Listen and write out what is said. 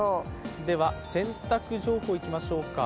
では洗濯情報いきましょうか。